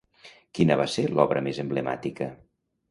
Quina va ser l'obra més emblemàtica?